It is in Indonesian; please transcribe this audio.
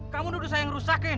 kamu nuduh saya ngerusakin